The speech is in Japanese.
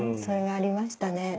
それがありましたね。